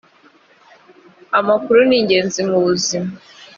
amakuru ningenzi mubuzima.